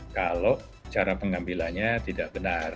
kalau cara pengambilannya tidak benar